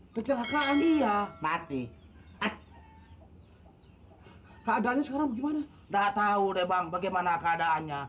hai kecelakaan iya mati hai keadaan sekarang gimana enggak tahu deh bang bagaimana keadaannya